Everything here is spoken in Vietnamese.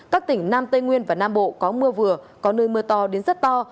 các tỉnh nam tây nguyên và nam bộ có mưa vừa có nơi mưa to đến rất to